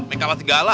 make up an segala